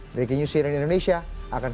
dari knews cnn indonesia akan